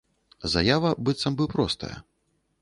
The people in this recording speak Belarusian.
Заява быццам бы простая.